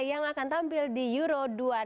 yang akan tampil di euro dua ribu enam belas